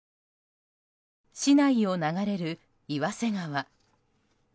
市内を流れる岩瀬川。